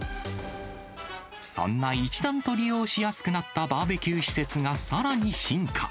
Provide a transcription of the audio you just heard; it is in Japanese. そんな一段と利用しやすくなったバーベキュー施設がさらに進化。